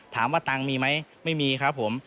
ถามว่าตังค์มีไหมไม่มีครับผม